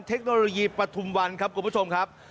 เทคโนโลยีประทุมวันครับ